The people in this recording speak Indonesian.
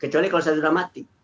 kecuali kalau saya sudah mati